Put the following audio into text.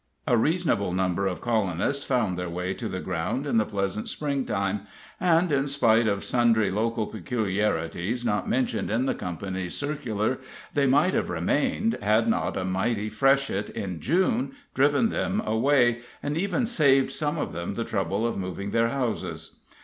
A reasonable number of colonists found their way to the ground in the pleasant Spring time, and, in spite of sundry local peculiarities not mentioned in the company's circular, they might have remained, had not a mighty freshet, in June, driven them away, and even saved some of them the trouble of moving their houses.